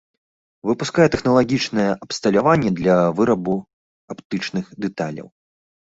Выпускае тэхналагічнае абсталяванне для вырабу аптычных дэталяў.